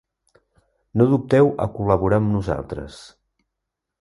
No dubteu a col·laborar amb nosaltres.